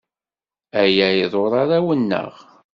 Aya iḍurr arraw-nneɣ.